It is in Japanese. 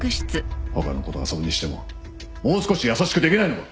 他の子と遊ぶにしてももう少し優しくできないのか？